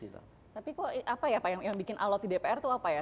tapi kok apa ya pak yang bikin alot di dpr itu apa ya